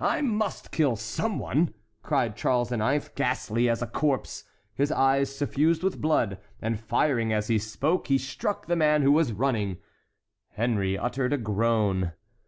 "I must kill some one!" cried Charles IX., ghastly as a corpse, his eyes suffused with blood; and firing as he spoke, he struck the man who was running. Henry uttered a groan.